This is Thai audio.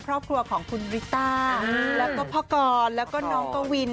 ครอบครัวของคุณริต้าแล้วก็พ่อกรแล้วก็น้องกวิน